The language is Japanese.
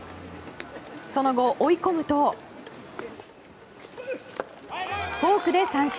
その後、追い込むとフォークで三振。